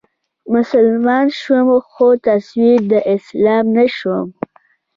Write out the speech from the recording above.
مسلمان شوم خو تصوير د اسلام نه شوم